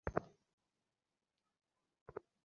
আমার লাগবে এ জিনিস।